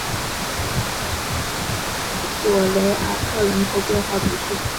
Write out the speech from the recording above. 索雷阿克人口变化图示